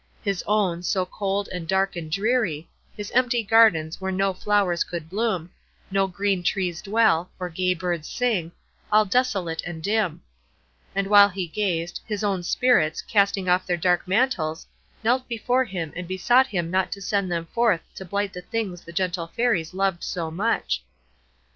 His own, so cold and dark and dreary, his empty gardens where no flowers could bloom, no green trees dwell, or gay birds sing, all desolate and dim;—and while he gazed, his own Spirits, casting off their dark mantles, knelt before him and besought him not to send them forth to blight the things the gentle Fairies loved so much.